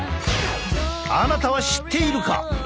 あなたは知っているか？